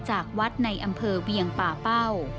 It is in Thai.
จากวัดในอำเภอเวียงป่าเป้า